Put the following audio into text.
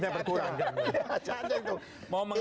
itu nanti jamnya berkurang